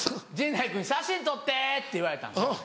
「陣内君写真撮って！」って言われたんです。